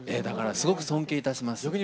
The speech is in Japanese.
だからすごく尊敬いたします。